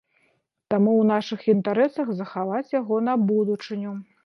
Таму ў нашых інтарэсах захаваць яго на будучыню.